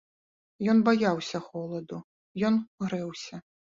Ён баяўся холаду, ён грэўся.